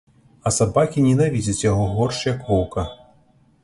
А сабакі ненавідзяць яго горш, як воўка.